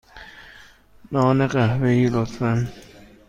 نان قهوه ای، لطفا.